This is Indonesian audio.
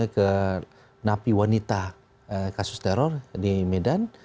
ke napi wanita kasus teror di medan